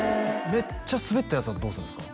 めっちゃスベったやつはどうするんですか？